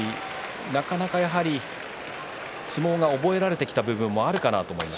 なかなかやはり相撲が覚えられてきた部分もあるかなと思います。